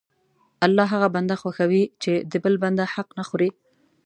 الله هغه بنده خوښوي چې د بل بنده حق نه خوري.